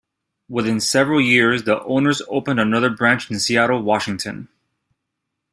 Within several years, the owners opened another branch in Seattle, Washington.